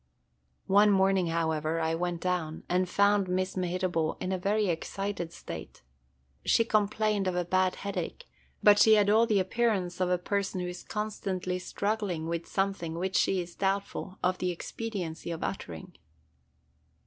One morning, however, I went down and found Miss Mehitable in a very excited state. She complained of a bad headache, but she had all the appearance of a person who is constantly struggling with something which she is doubtful of the expediency of uttering.